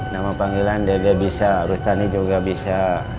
nama panggilan dede bisa rustani juga bisa